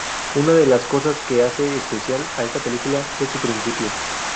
Una de las cosas que hace especial a esta película es su principio.